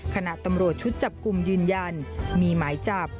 ขณะตำรวจชุดจับกลุ่มยืนยันมีหมายจับ